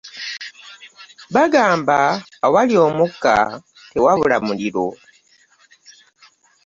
Bagamba awali omukka tewabula muliro.